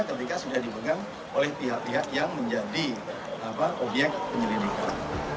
ketika sudah dipegang oleh pihak pihak yang menjadi obyek penyelidikan